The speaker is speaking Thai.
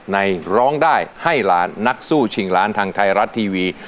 ร้องได้ให้ล้านนักสู้ชิงล้านทางไทยรัฐทีวี